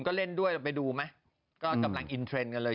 ชื่ออะไรก็บอกที่เขาถามว่าชื่ออะไร